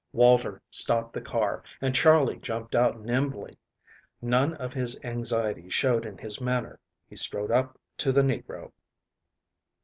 Walter stopped the car, and Charley jumped out nimbly. None of his anxiety showed in his manner. He strode up to the negro.